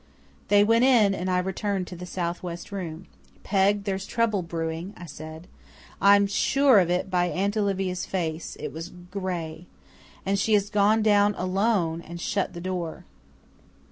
They went in, and I returned to the south west room. "Peg, there's trouble brewing," I said. "I'm sure of it by Aunt Olivia's face, it was GRAY. And she has gone down ALONE and shut the door."